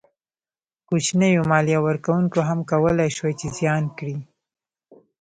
کوچنیو مالیه ورکوونکو هم کولای شوای چې زیان کړي.